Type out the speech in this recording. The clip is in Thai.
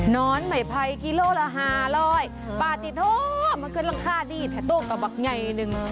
นอนใหม่ภัยกิโลกรัมหลายห้าร้อยปลาติดโอ้มันเกิดรังคาดีแถ่ตู้กระบักไงหนึ่ง